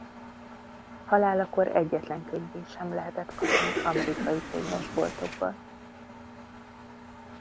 Halálakor egyetlen könyvét sem lehetett kapni amerikai könyvesboltokban.